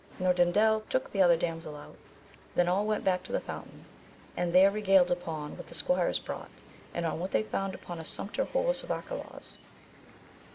Norandel took the other damsel out, they all went back to the fountain, and there regaled upon what the squires brought, and on what they found upon a sumpter horse of Arcalaus.